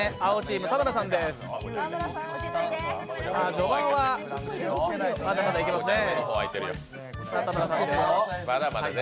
序盤はまだまだいけますね。